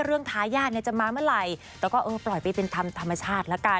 ว่าเรื่องท้ายาทจะมาเมื่อไรแล้วก็ปล่อยไปเป็นธรรมชาติ